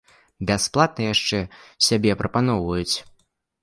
Бясплатна яшчэ сябе прапаноўваць?